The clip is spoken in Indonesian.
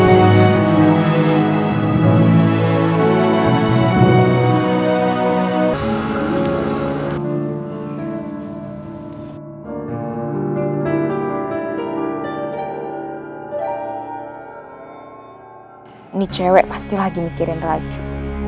ini cewek pasti lagi mikirin lagi